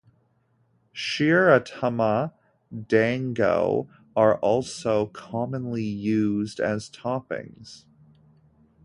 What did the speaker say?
Shiratama dango are also commonly used as toppings.